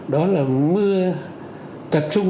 đó là mưa tập trung